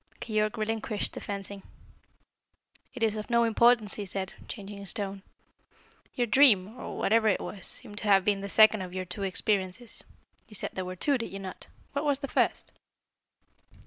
Keyork relinquished the fencing. "It is of no importance," he said, changing his tone. "Your dream or whatever it was seems to have been the second of your two experiences. You said there were two, did you not? What was the first?"